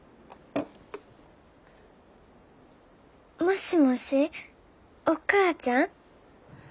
もしもしお母ちゃん？